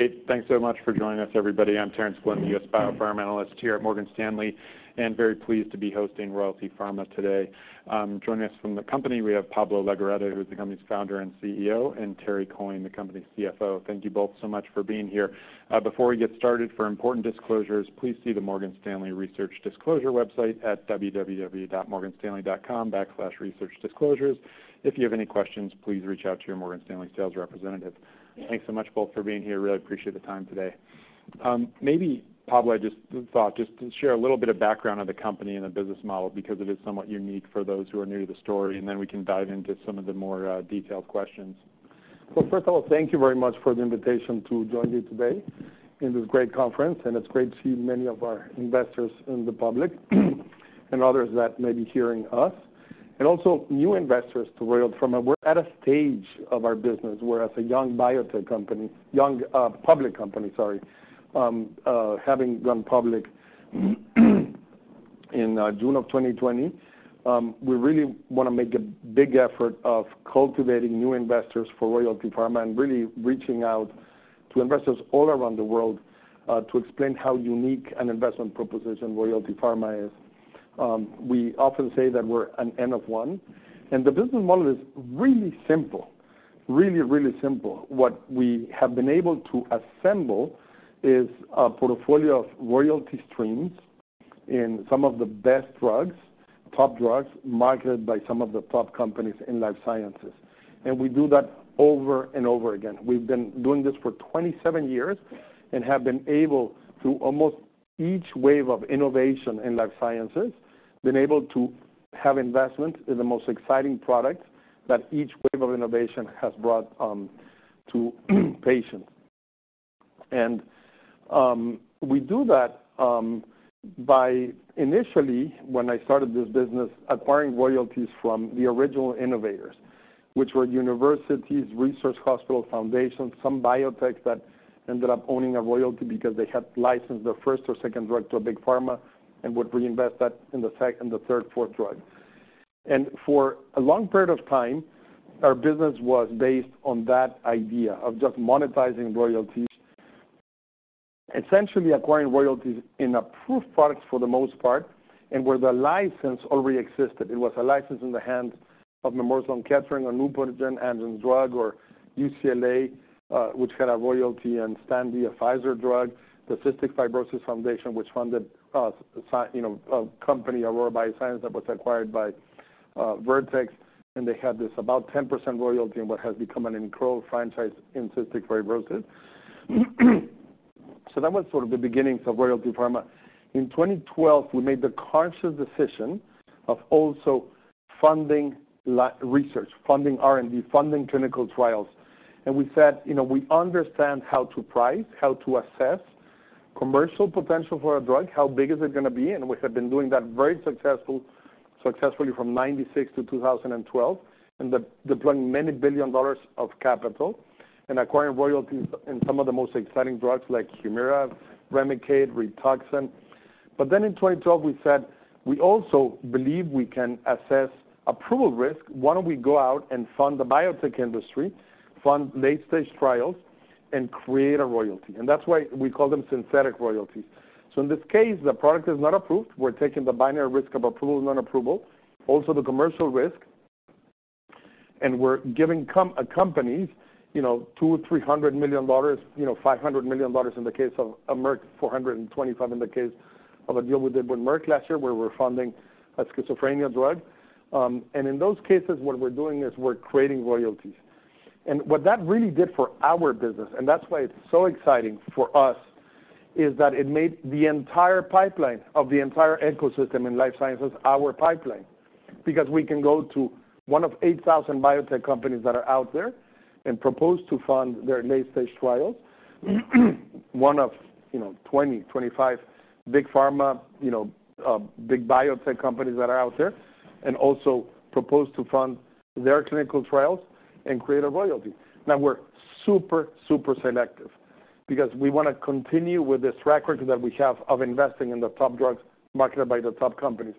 Great, thanks so much for joining us, everybody. I'm Terence Flynn, the U.S. biopharma analyst here at Morgan Stanley, and very pleased to be hosting Royalty Pharma today. Joining us from the company, we have Pablo Legorreta, who is the company's founder and CEO, and Terry Coyne, the company's CFO. Thank you both so much for being here. Before we get started, for important disclosures, please see the Morgan Stanley Research Disclosure website at www.morganstanley.com/researchdisclosures. If you have any questions, please reach out to your Morgan Stanley sales representative. Thanks so much both for being here. Really appreciate the time today. Maybe, Pablo, I just thought just to share a little bit of background on the company and the business model, because it is somewhat unique for those who are new to the story, and then we can dive into some of the more, detailed questions. Well, first of all, thank you very much for the invitation to join you today in this great conference, and it's great to see many of our investors in the public, and others that may be hearing us, and also new investors to Royalty Pharma. We're at a stage of our business where as a young biotech company, young public company, sorry, having gone public in June of 2020. We really wanna make a big effort of cultivating new investors for Royalty Pharma and really reaching out to investors all around the world to explain how unique an investment proposition Royalty Pharma is. We often say that we're an N of one, and the business model is really simple. Really, really simple. What we have been able to assemble is a portfolio of royalty streams in some of the best drugs, top drugs, marketed by some of the top companies in life sciences. We do that over and over again. We've been doing this for 27 years and have been able, through almost each wave of innovation in life sciences, been able to have investment in the most exciting products that each wave of innovation has brought to patients. We do that by initially, when I started this business, acquiring royalties from the original innovators, which were universities, research hospital foundations, some biotechs that ended up owning a royalty because they had licensed their first or second drug to a big pharma and would reinvest that in the third, fourth drug. For a long period of time, our business was based on that idea of just monetizing royalties, essentially acquiring royalties in approved products for the most part, and where the license already existed. It was a license in the hands of Memorial Sloan Kettering, or Amgen, Amgen drug, or UCLA, which had a royalty in Xtandi, a Pfizer drug, the Cystic Fibrosis Foundation, which funded, you know, a company, Aurora Biosciences, that was acquired by Vertex, and they had this about 10% royalty in what has become an enormous franchise in cystic fibrosis. That was sort of the beginnings of Royalty Pharma. In 2012, we made the conscious decision of also funding research, funding R&D, funding clinical trials. And we said, you know, we understand how to price, how to assess commercial potential for a drug, how big is it gonna be, and we have been doing that very successfully from 1996 to 2012, and deploying many $ billion of capital and acquiring royalties in some of the most exciting drugs like Humira, Remicade, Rituxan. But then in 2012, we said: We also believe we can assess approval risk. Why don't we go out and fund the biotech industry, fund late-stage trials, and create a royalty? And that's why we call them synthetic royalties. So in this case, the product is not approved. We're taking the binary risk of approval, non-approval, also the commercial risk, and we're giving a company, you know, $200 to $300 million, you know, $500 million in the case of Merck, $425 million in the case of a deal we did with Merck last year, where we're funding a schizophrenia drug. And in those cases, what we're doing is we're creating royalties. And what that really did for our business, and that's why it's so exciting for us, is that it made the entire pipeline of the entire ecosystem in life sciences, our pipeline. Because we can go to one of 8,000 biotech companies that are out there and propose to fund their late-stage trials. One of, you know, 20-25 big pharma, you know, big biotech companies that are out there, and also propose to fund their clinical trials and create a royalty. Now, we're super, super selective because we wanna continue with this record that we have of investing in the top drugs marketed by the top companies.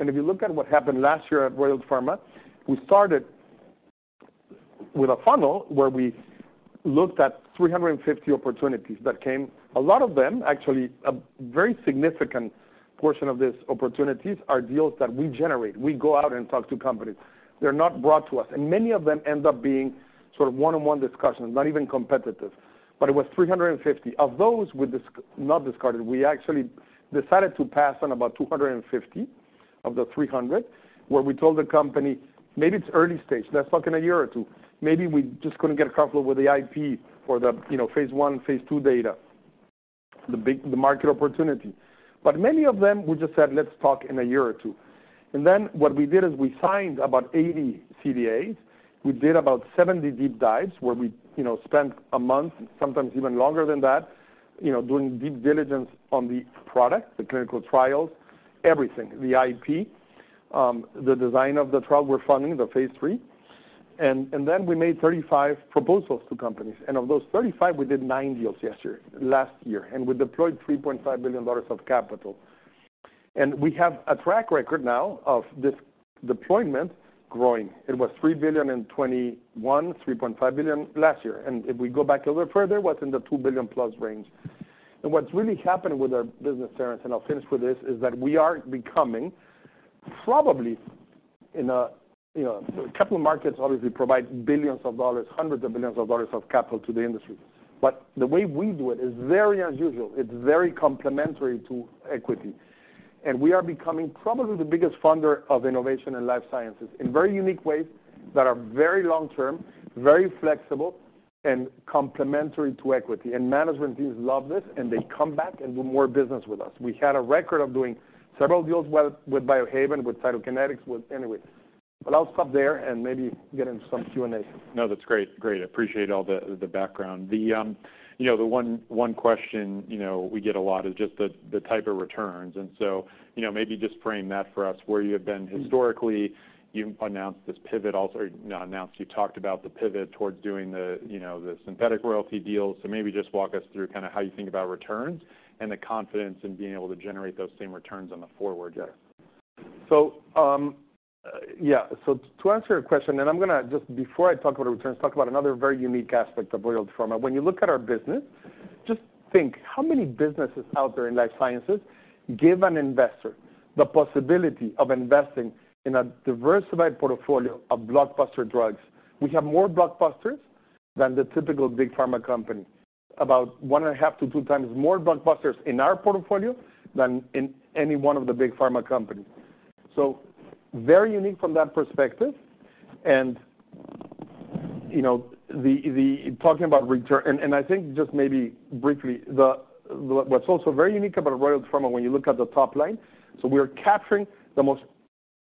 And if you look at what happened last year at Royalty Pharma, we started with a funnel where we looked at 350 opportunities that came. A lot of them, actually, a very significant portion of these opportunities are deals that we generate. We go out and talk to companies. They're not brought to us, and many of them end up being sort of one-on-one discussions, not even competitive. But it was 350. Of those we not discarded, we actually decided to pass on about 250 of the 300, where we told the company, "Maybe it's early stage. Let's talk in a year or two." Maybe we just couldn't get comfortable with the IP or the, you know, phase 1, phase 2 data, the market opportunity. But many of them, we just said: Let's talk in a year or two. And then what we did is we signed about 80 CDAs. We did about 70 deep dives, where we, you know, spent a month, sometimes even longer than that, you know, doing deep diligence on the product, the clinical trials, everything, the IP, the design of the trial we're funding, the phase 3. And then we made 35 proposals to companies, and of those 35, we did 9 deals last year, and we deployed $3.5 billion of capital. And we have a track record now of this deployment growing. It was $3 billion in 2021, $3.5 billion last year, and if we go back a little further, was in the $2 billion+ range. And what's really happened with our business, Terence, is that we are becoming probably in a, you know, capital markets obviously provide billions of dollars, hundreds of billions of dollars of capital to the industry. But the way we do it is very unusual. It's very complementary to equity, and we are becoming probably the biggest funder of innovation and life sciences in very unique ways that are very long-term, very flexible, and complementary to equity. Management teams love this, and they come back and do more business with us. We had a record of doing several deals with Biohaven, with Cytokinetics, with... Anyway, but I'll stop there and maybe get into some Q&A. No, that's great. Great. I appreciate all the, the background. The, you know, the one question, you know, we get a lot is just the type of returns, and so, you know, maybe just frame that for us, where you have been historically. You've announced this pivot also, not announced, you talked about the pivot towards doing the, you know, the synthetic royalty deals. So maybe just walk us through kind of how you think about returns and the confidence in being able to generate those same returns on the forward year. So, yeah. So to answer your question, and I'm gonna just before I talk about the returns, talk about another very unique aspect of Royalty Pharma. When you look at our business, just think, how many businesses out there in life sciences give an investor the possibility of investing in a diversified portfolio of blockbuster drugs? We have more blockbusters than the typical big pharma company, about one and a half to two times more blockbusters in our portfolio than in any one of the big pharma companies. So very unique from that perspective. And, you know, talking about returns, and I think just maybe briefly, what's also very unique about Royalty Pharma, when you look at the top line, so we are capturing the most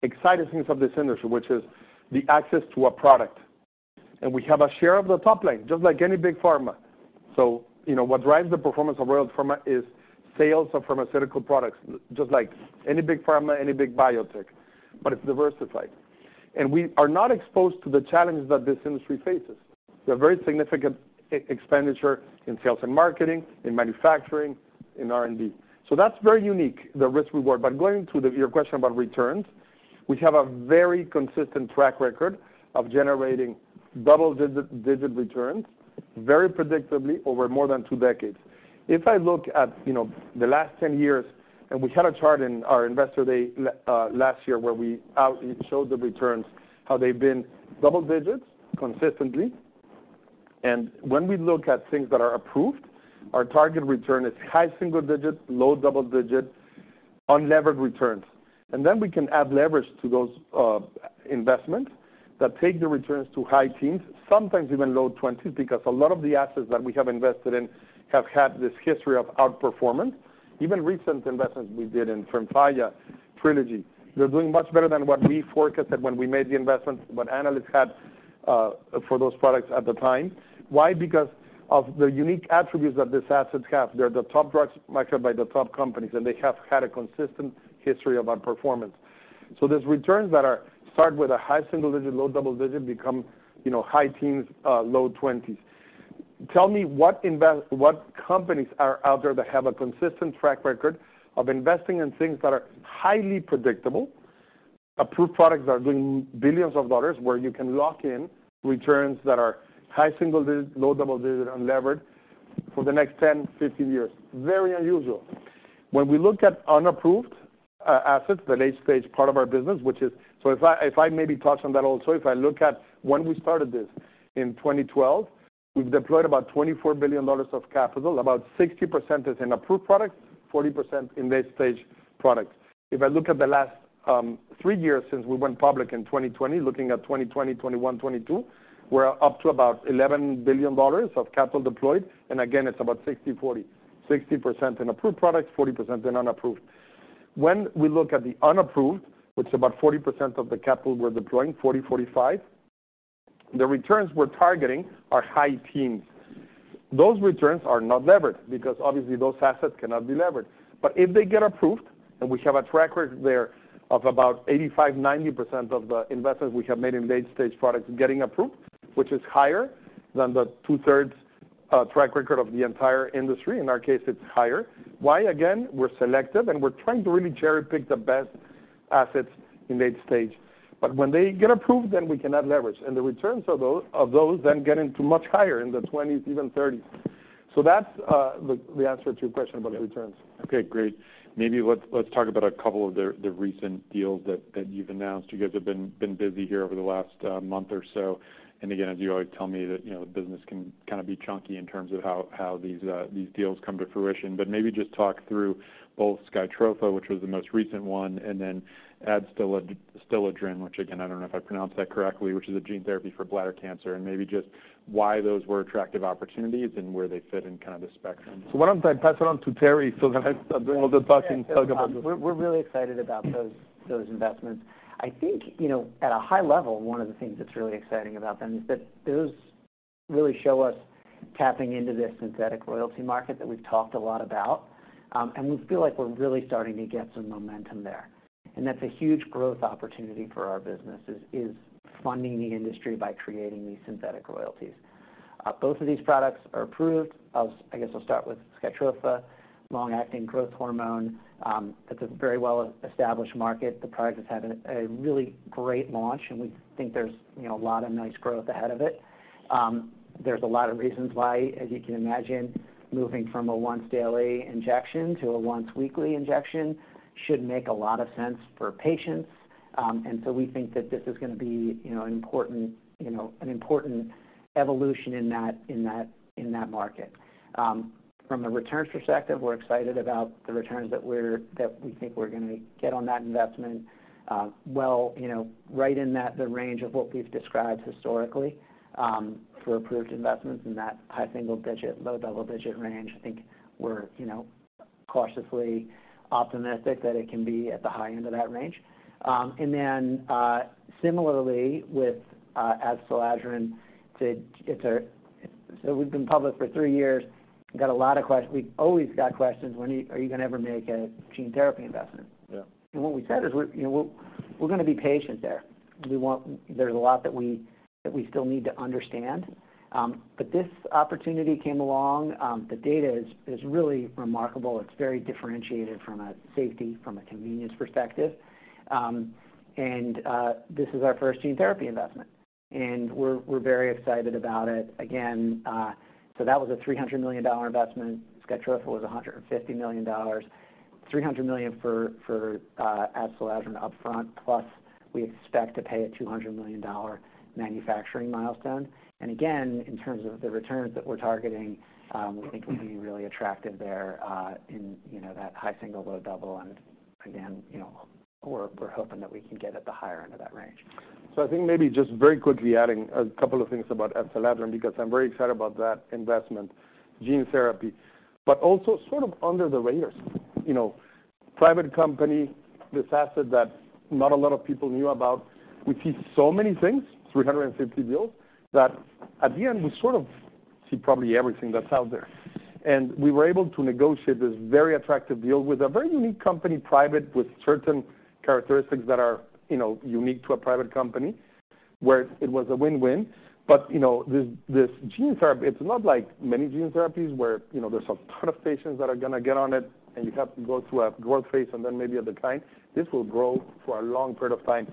exciting things of this industry, which is the access to a product, and we have a share of the top line, just like any big pharma. So, you know, what drives the performance of Royalty Pharma is sales of pharmaceutical products, just like any big pharma, any big biotech, but it's diversified. And we are not exposed to the challenges that this industry faces. There are very significant expenditures in sales and marketing, in manufacturing, in R&D. So that's very unique, the risk-reward. But going to your question about returns, we have a very consistent track record of generating double-digit returns, very predictably, over more than two decades. If I look at, you know, the last 10 years, and we had a chart in our investor day last year, where it showed the returns, how they've been double digits consistently. And when we look at things that are approved, our target return is high single digit, low double digit, unlevered returns. And then we can add leverage to those investments that take the returns to high teens, sometimes even low twenties, because a lot of the assets that we have invested in have had this history of outperformance. Even recent investments we did in Tremfya, Trelegy, they're doing much better than what we forecasted when we made the investment, what analysts had for those products at the time. Why? Because of the unique attributes that these assets have. They're the top drugs marketed by the top companies, and they have had a consistent history of outperformance. So these returns that are start with a high single digit, low double digit, become, you know, high teens, low twenties. Tell me what companies are out there that have a consistent track record of investing in things that are highly predictable, approved products that are doing billions of dollars, where you can lock in returns that are high single digit, low double digit, unlevered for the next 10, 15 years? Very unusual. When we look at unapproved assets, the late stage part of our business, which is... So if I, if I maybe touch on that also, if I look at when we started this in 2012, we've deployed about $24 billion of capital. About 60% is in approved products, 40% in late stage products. If I look at the last 3 years since we went public in 2020, looking at 2020, 2021, 2022, we're up to about $11 billion of capital deployed, and again, it's about 60/40. 60% in approved products, 40% in unapproved. When we look at the unapproved, which is about 40% of the capital we're deploying, 40-45, the returns we're targeting are high teens. Those returns are not levered, because obviously those assets cannot be levered. But if they get approved, and we have a track record there of about 85%-90% of the investments we have made in late stage products getting approved, which is higher than the two-thirds track record of the entire industry. In our case, it's higher. Why? Again, we're selective, and we're trying to really cherry-pick the best assets in late stage. But when they get approved, then we can add leverage, and the returns of those then get into much higher, in the 20s, even 30s. So that's the answer to your question about returns. Okay, great. Maybe let's talk about a couple of the recent deals that you've announced. You guys have been busy here over the last month or so. And again, as you always tell me, you know, the business can kind of be chunky in terms of how these deals come to fruition. But maybe just talk through both Skytrofa, which was the most recent one, and then Adstiladrin, which again, I don't know if I pronounced that correctly, which is a gene therapy for bladder cancer, and maybe just why those were attractive opportunities and where they fit in kind of the spectrum. Why don't I pass it on to Terry so that I stop doing all the talking and talk about the- We're really excited about those investments. I think, you know, at a high level, one of the things that's really exciting about them is that those really show us tapping into this synthetic royalty market that we've talked a lot about. And we feel like we're really starting to get some momentum there. And that's a huge growth opportunity for our business, is funding the industry by creating these synthetic royalties. Both of these products are approved. I guess I'll start with Skytrofa, long-acting growth hormone. It's a very well-established market. The product has had a really great launch, and we think there's, you know, a lot of nice growth ahead of it. There's a lot of reasons why, as you can imagine, moving from a once-daily injection to a once-weekly injection should make a lot of sense for patients. And so we think that this is gonna be, you know, an important evolution in that market. From a returns perspective, we're excited about the returns that we think we're gonna get on that investment. Well, you know, right in the range of what we've described historically, for approved investments in that high single digit, low double-digit range, I think we're, you know, cautiously optimistic that it can be at the high end of that range. And then, similarly, with Adstiladrin too, it's a— So we've been public for three years, got a lot of questions. We've always got questions, "When are you gonna ever make a gene therapy investment? Yeah. What we said is we're, you know, we're gonna be patient there. We want—there's a lot that we still need to understand. But this opportunity came along. The data is really remarkable. It's very differentiated from a safety, from a convenience perspective. And this is our first gene therapy investment, and we're very excited about it. Again, so that was a $300 million investment. Skytrofa was a $150 million. $300 million for Adstiladrin as an upfront, plus we expect to pay a $200 million manufacturing milestone. And again, in terms of the returns that we're targeting, we think we'd be really attractive there, in, you know, that high single, low double. Again, you know, we're hoping that we can get at the higher end of that range. So I think maybe just very quickly adding a couple of things about Adstiladrin, because I'm very excited about that investment, gene therapy, but also sort of under the radar. You know, private company, this asset that not a lot of people knew about. We see so many things, 350 deals, that at the end, we sort of see probably everything that's out there. And we were able to negotiate this very attractive deal with a very unique company, private, with certain characteristics that are, you know, unique to a private company, where it was a win-win. But, you know, this, this gene therapy, it's not like many gene therapies, where, you know, there's a ton of patients that are gonna get on it, and you have to go through a growth phase and then maybe at the time. This will grow for a long period of time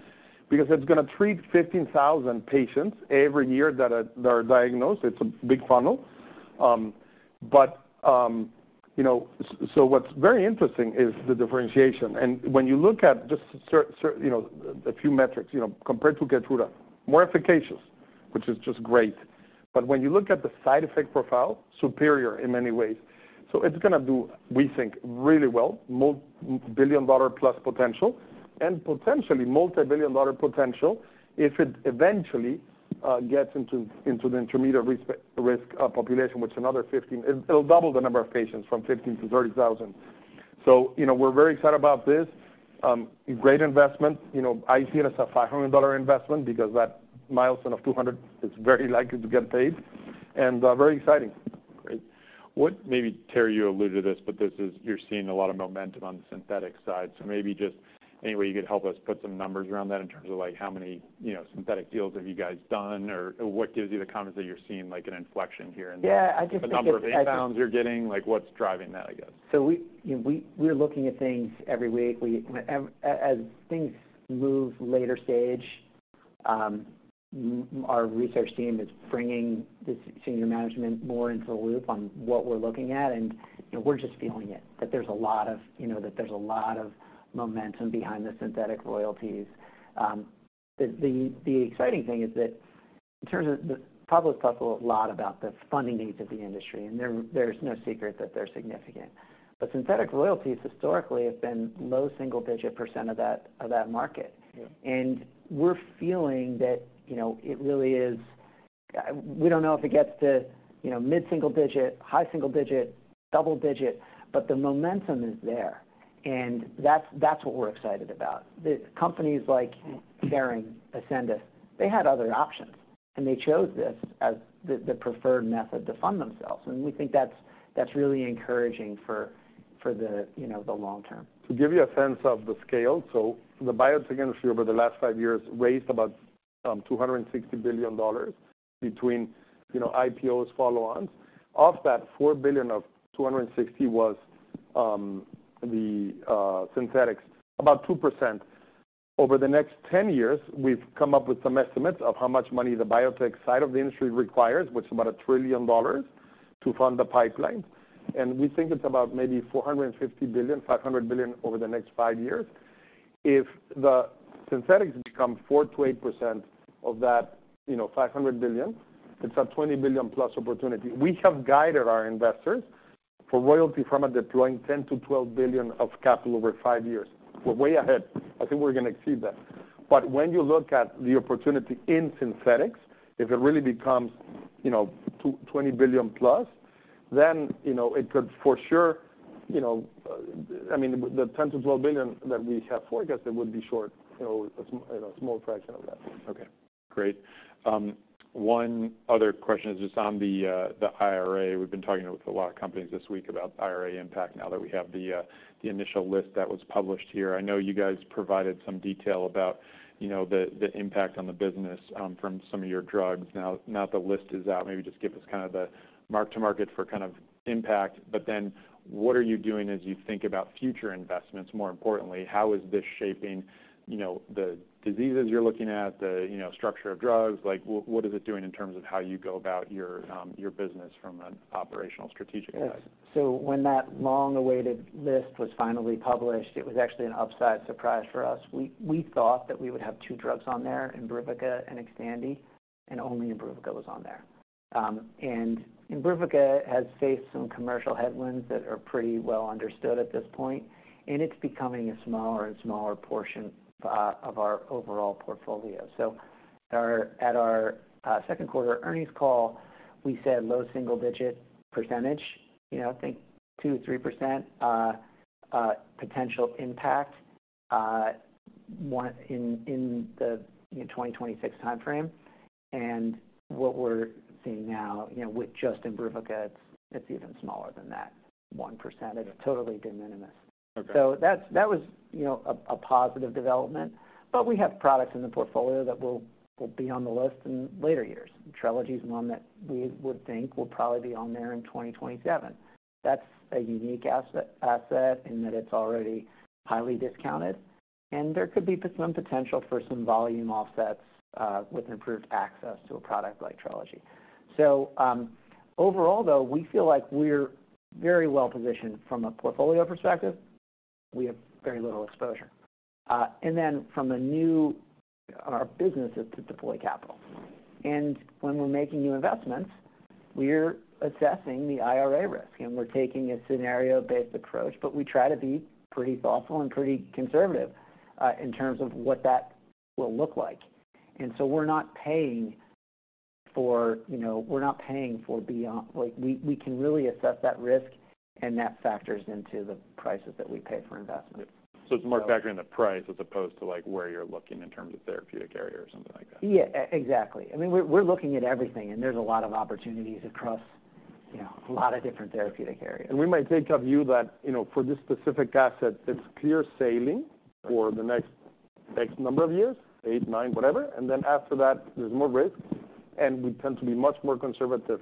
because it's gonna treat 15,000 patients every year that are, that are diagnosed. It's a big funnel. But, you know, so what's very interesting is the differentiation. When you look at just certain, you know, a few metrics, you know, compared to Keytruda, more efficacious, which is just great. But when you look at the side effect profile, superior in many ways. So it's gonna do, we think, really well, multi-billion-dollar plus potential and potentially multi-billion-dollar potential if it eventually gets into the intermediate risk population, which another 15... It, it'll double the number of patients from 15 to 30,000. So, you know, we're very excited about this, great investment. You know, I see it as a $500 investment because that milestone of $200 is very likely to get paid, and very exciting. Great. What, maybe, Terry, you alluded to this, but this is—you're seeing a lot of momentum on the synthetic side. So maybe just any way you could help us put some numbers around that in terms of, like, how many, you know, synthetic deals have you guys done, or what gives you the comments that you're seeing like an inflection here? Yeah, I just think it's- The number of inbounds you're getting, like, what's driving that, I guess? So we, you know, we're looking at things every week. We, as things move later stage, our research team is bringing this senior management more into the loop on what we're looking at, and, you know, we're just feeling it, that there's a lot of, you know, that there's a lot of momentum behind the synthetic royalties. The exciting thing is that in terms of the... Public talks a lot about the funding needs of the industry, and there's no secret that they're significant. But synthetic royalties historically have been low single-digit % of that market. Yeah. We're feeling that, you know, it really is. We don't know if it gets to, you know, mid-single digit, high single digit, double digit, but the momentum is there, and that's what we're excited about. The companies like Ferring, Ascendis, they had other options, and they chose this as the preferred method to fund themselves, and we think that's really encouraging for the long term. To give you a sense of the scale, so the biotech industry over the last five years raised about $260 billion between, you know, IPOs, follow-ons. Of that, $4 billion of $260 billion was the synthetics, about 2%. Over the next ten years, we've come up with some estimates of how much money the biotech side of the industry requires, which is about $1 trillion to fund the pipeline. And we think it's about maybe $450 billion to $500 billion over the next five years. If the synthetics become 4% to 8% of that, you know, $500 billion, it's a $20 billion+ opportunity. We have guided our investors for Royalty Pharma deploying $10 billion to $12 billion of capital over five years. We're way ahead. I think we're gonna exceed that. But when you look at the opportunity in synthetics, if it really becomes, you know, $220 billion+, then, you know, it could for sure, you know, I mean, the $10 billion to $12 billion that we have forecasted would be short, you know, a small fraction of that. Okay, great. One other question is just on the IRA. We've been talking with a lot of companies this week about IRA impact now that we have the initial list that was published here. I know you guys provided some detail about, you know, the impact on the business from some of your drugs. Now that the list is out, maybe just give us kind of the mark-to-market for kind of impact. But then what are you doing as you think about future investments? More importantly, how is this shaping, you know, the diseases you're looking at, the, you know, structure of drugs? Like, what is it doing in terms of how you go about your business from an operational strategic advice? Yes. So when that long-awaited list was finally published, it was actually an upside surprise for us. We thought that we would have two drugs on there, Imbruvica and Xtandi, and only Imbruvica was on there. And Imbruvica has faced some commercial headwinds that are pretty well understood at this point, and it's becoming a smaller and smaller portion of our overall portfolio. So at our second quarter earnings call, we said low single-digit percentage, you know, I think 2% to 3% potential impact. In the 2026 timeframe. And what we're seeing now, you know, with just Imbruvica, it's even smaller than that, 1%, totally de minimis. Okay. So that was, you know, a positive development. But we have products in the portfolio that will be on the list in later years. Trelstar is one that we would think will probably be on there in 2027. That's a unique asset in that it's already highly discounted, and there could be some potential for some volume offsets with improved access to a product like Trelstar. So, overall, though, we feel like we're very well positioned from a portfolio perspective. We have very little exposure. And then from a new, our business is to deploy capital. And when we're making new investments, we're assessing the IRA risk, and we're taking a scenario-based approach, but we try to be pretty thoughtful and pretty conservative in terms of what that will look like. And so we're not paying for, you know, we're not paying for beyond—like, we can really assess that risk, and that factors into the prices that we pay for investments. It's more factoring the price as opposed to, like, where you're looking in terms of therapeutic area or something like that? Yeah, exactly. I mean, we're looking at everything, and there's a lot of opportunities across, you know, a lot of different therapeutic areas. We might take a view that, you know, for this specific asset, it's clear sailing for the next X number of years, 8, 9, whatever. Then after that, there's more risk, and we tend to be much more conservative,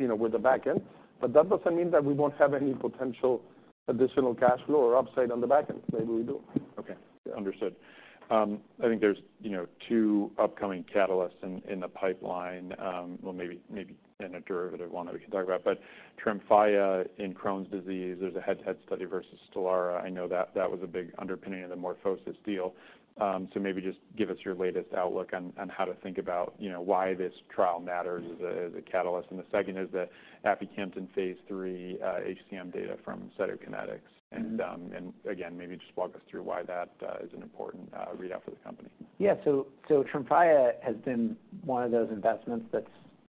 you know, with the back end. But that doesn't mean that we won't have any potential additional cash flow or upside on the back end. Maybe we do. Okay, understood. I think there's, you know, two upcoming catalysts in the pipeline, well, maybe in a derivative one that we can talk about. But Tremfya in Crohn's disease, there's a head-to-head study versus Stelara. I know that that was a big underpinning of the MorphoSys deal. So maybe just give us your latest outlook on how to think about, you know, why this trial matters as a catalyst. And the second is the aficamten phase III HCM data from Cytokinetics. Mm-hmm. And again, maybe just walk us through why that is an important readout for the company. Yeah. So, so Tremfya has been one of those investments that's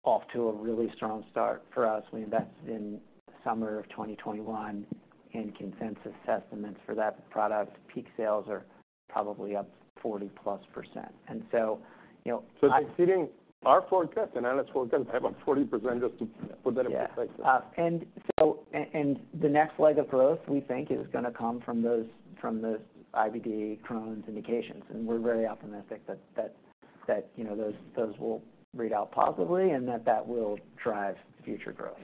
off to a really strong start for us. We invested in the summer of 2021, and consensus assessments for that product, peak sales are probably up 40%+. And so, you know, I- Exceeding our forecast and analyst forecast by about 40%, just to put that in perspective. Yeah. And so, the next leg of growth, we think, is gonna come from those from those IBD Crohn's indications, and we're very optimistic that you know, those will read out positively and that that will drive future growth.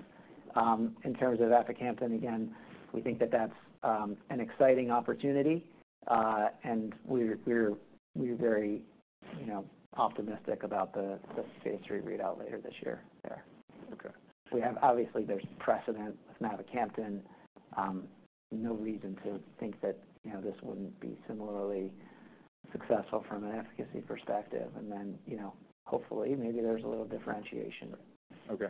In terms of aficamten, again, we think that that's an exciting opportunity, and we're very you know, optimistic about the phase III readout later this year there. Okay. We have... Obviously, there's precedent with mavacamten. No reason to think that, you know, this wouldn't be similarly successful from an efficacy perspective. And then, you know, hopefully, maybe there's a little differentiation. Okay.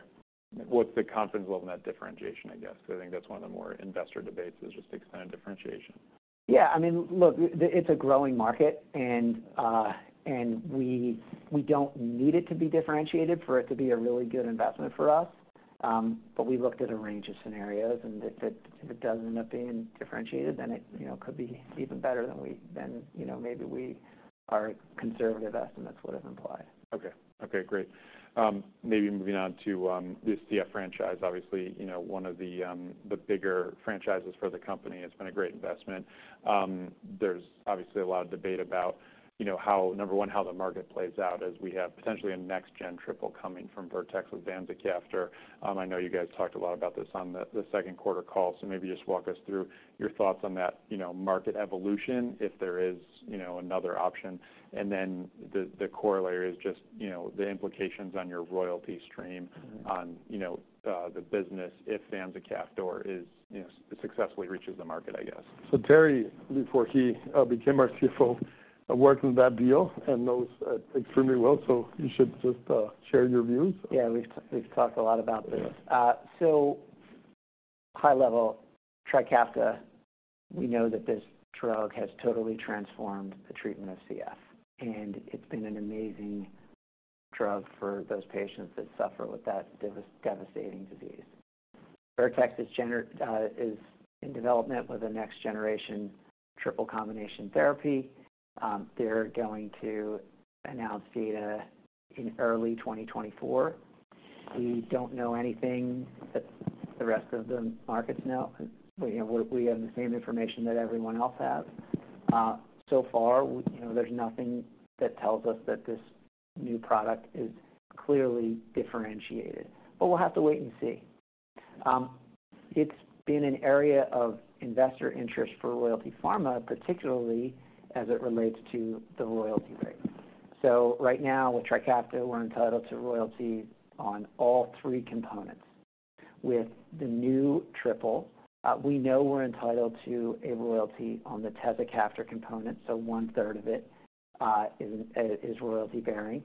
What's the confidence level in that differentiation, I guess? Because I think that's one of the more investor debates, is just the extent of differentiation. Yeah. I mean, look, it's a growing market, and we don't need it to be differentiated for it to be a really good investment for us. But we looked at a range of scenarios, and if it does end up being differentiated, then it, you know, could be even better than we—than, you know, maybe we—our conservative estimates would have implied. Okay. Okay, great. Maybe moving on to the CF franchise. Obviously, you know, one of the bigger franchises for the company. It's been a great investment. There's obviously a lot of debate about, you know, how... Number one, how the market plays out as we have potentially a next-gen triple coming from Vertex with vanzacaftor. I know you guys talked a lot about this on the second quarter call, so maybe just walk us through your thoughts on that, you know, market evolution, if there is, you know, another option. And then the corollary is just, you know, the implications on your royalty stream- Mm-hmm... on, you know, the business, if vanzacaftor is, you know, successfully reaches the market, I guess. So, Terry, before he became our CFO, worked on that deal and knows it extremely well, so you should just share your views. Yeah, we've talked a lot about this. So high level, Trikafta, we know that this drug has totally transformed the treatment of CF, and it's been an amazing drug for those patients that suffer with that devastating disease. Vertex is in development with a next generation triple combination therapy. They're going to announce data in early 2024. We don't know anything that the rest of the markets know. We have the same information that everyone else has. So far, you know, there's nothing that tells us that this new product is clearly differentiated, but we'll have to wait and see. It's been an area of investor interest for Royalty Pharma, particularly as it relates to the royalty rate. So right now, with Trikafta, we're entitled to royalty on all three components. With the new triple, we know we're entitled to a royalty on the tezacaftor component, so one third of it is royalty-bearing.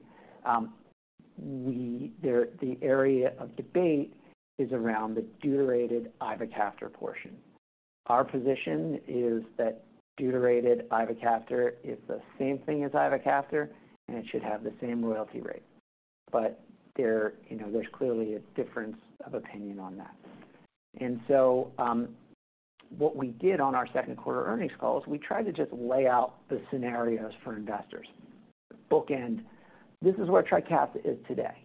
The area of debate is around the deuterated ivacaftor portion. Our position is that deuterated ivacaftor is the same thing as ivacaftor, and it should have the same royalty rate. But there, you know, there's clearly a difference of opinion on that. And so, what we did on our second quarter earnings call is we tried to just lay out the scenarios for investors. Bookend, this is where Trikafta is today.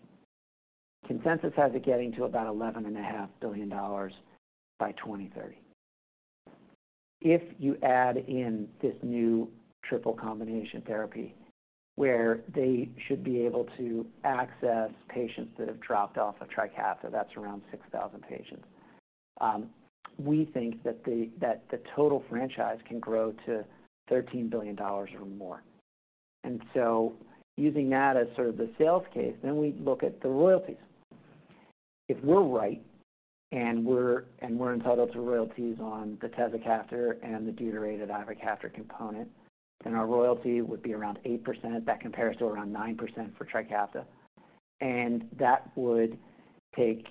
Consensus has it getting to about $11.5 billion by 2030. If you add in this new triple combination therapy, where they should be able to access patients that have dropped off of Trikafta, that's around 6,000 patients, we think that the total franchise can grow to $13 billion or more. And so using that as sort of the sales case, then we look at the royalties. If we're right, and we're entitled to royalties on the tezacaftor and the deuterated ivacaftor component, then our royalty would be around 8%. That compares to around 9% for Trikafta. And that would take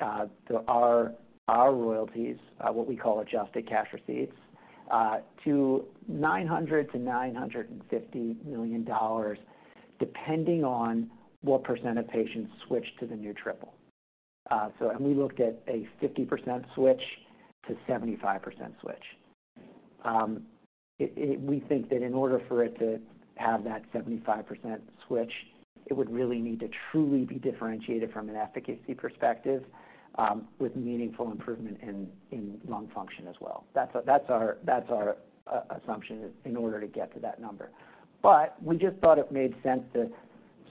our royalties, what we call adjusted cash receipts, to $900 million to $950 million, depending on what percent of patients switch to the new triple. So and we looked at a 50% switch to 75% switch. We think that in order for it to have that 75% switch, it would really need to truly be differentiated from an efficacy perspective, with meaningful improvement in lung function as well. That's our assumption in order to get to that number. But we just thought it made sense to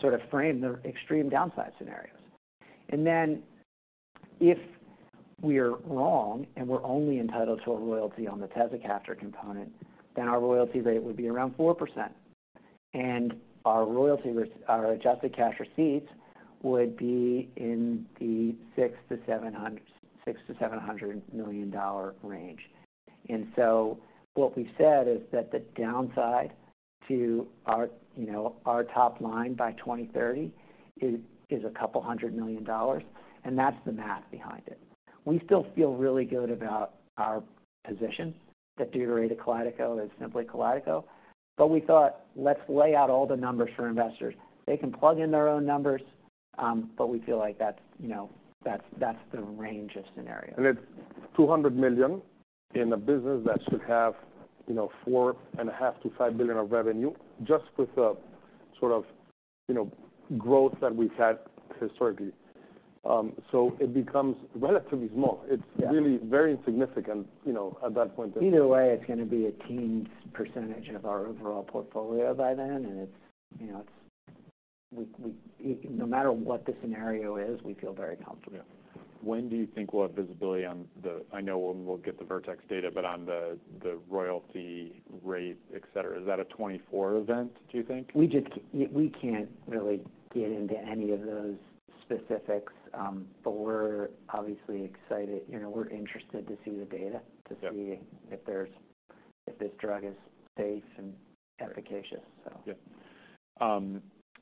sort of frame the extreme downside scenarios. And then if we're wrong, and we're only entitled to a royalty on the tezacaftor component, then our royalty rate would be around 4%, and our adjusted cash receipts would be in the $600 to $700 million range. And so what we've said is that the downside to our, you know, our top line by 2030 is a couple hundred million dollars, and that's the math behind it. We still feel really good about our position, that deuterated Kalydeco is simply Kalydeco. But we thought, let's lay out all the numbers for investors. They can plug in their own numbers, but we feel like that's, you know, that's, that's the range of scenarios. It's $200 million in a business that should have, you know, $4.5 billion to $5 billion of revenue just with the sort of, you know, growth that we've had historically. So it becomes relatively small. Yeah. It's really very insignificant, you know, at that point. Either way, it's gonna be a teeny percentage of our overall portfolio by then, and, you know, no matter what the scenario is, we feel very comfortable. Yeah. When do you think we'll have visibility on the... I know when we'll get the Vertex data, but on the royalty rate, et cetera, is that a 2024 event, do you think? We just can't really get into any of those specifics, but we're obviously excited. You know, we're interested to see the data- Yeah... to see if there's, if this drug is safe and efficacious, so. Yeah.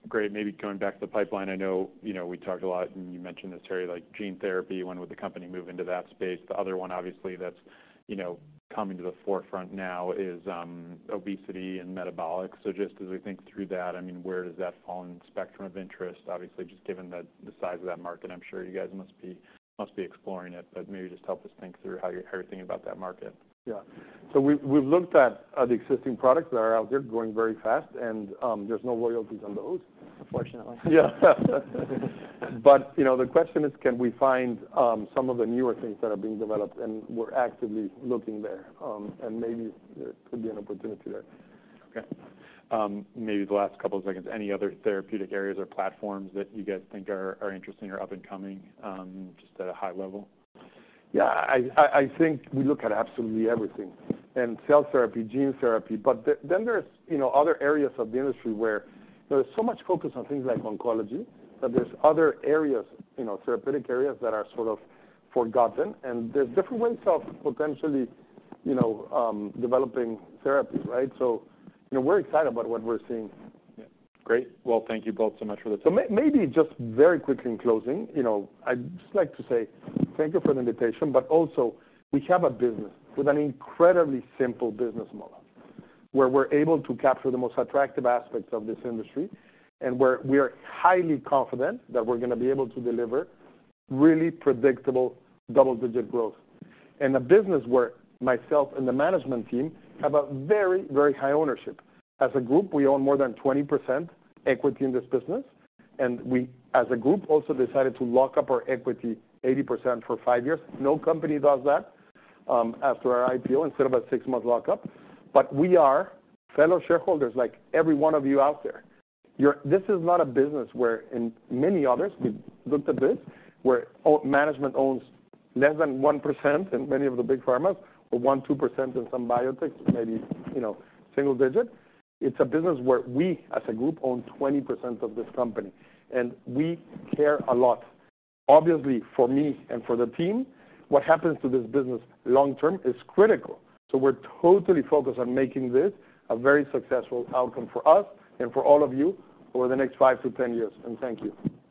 Great. Maybe going back to the pipeline, I know, you know, we talked a lot, and you mentioned this area, like gene therapy. When would the company move into that space? The other one, obviously, that's, you know, coming to the forefront now is obesity and metabolic. So just as we think through that, I mean, where does that fall in the spectrum of interest? Obviously, just given the size of that market, I'm sure you guys must be exploring it, but maybe just help us think through how you're thinking about that market. Yeah. So we've looked at the existing products that are out there growing very fast, and there's no royalties on those. Unfortunately. Yeah. But, you know, the question is, can we find some of the newer things that are being developed? We're actively looking there, and maybe there could be an opportunity there. Okay. Maybe the last couple of seconds, any other therapeutic areas or platforms that you guys think are interesting or up and coming, just at a high level? Yeah, I think we look at absolutely everything, and cell therapy, gene therapy. But then there's, you know, other areas of the industry where there is so much focus on things like oncology, that there's other areas, you know, therapeutic areas that are sort of forgotten, and there's different ways of potentially, you know, developing therapies, right? So, you know, we're excited about what we're seeing. Yeah. Great. Well, thank you both so much for the time. So maybe just very quickly in closing, you know, I'd just like to say thank you for the invitation, but also we have a business with an incredibly simple business model, where we're able to capture the most attractive aspects of this industry and where we are highly confident that we're gonna be able to deliver really predictable double-digit growth. And a business where myself and the management team have a very, very high ownership. As a group, we own more than 20% equity in this business, and we, as a group, also decided to lock up our equity 80% for five years. No company does that after our IPO instead of a six-month lockup. But we are fellow shareholders, like every one of you out there. This is not a business where, in many others, we've looked a bit, where management owns less than 1% in many of the big pharmas, or 1, 2% in some biotechs, maybe, you know, single digit. It's a business where we, as a group, own 20% of this company, and we care a lot. Obviously, for me and for the team, what happens to this business long term is critical, so we're totally focused on making this a very successful outcome for us and for all of you over the next 5 to 10 years, and thank you.